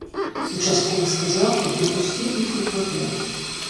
Участковы сказаў, каб я пусціў іх у кватэру.